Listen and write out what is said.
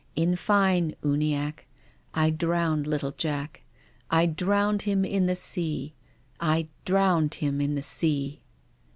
In fine, Uniackc, I drowned little Jack — I drowned him in the sea, I drowned him in the sea."